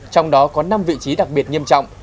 trong đó có năm vị trí đặc biệt nghiêm trọng